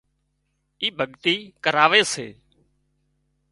اي ڀڳتي ڪراوي سي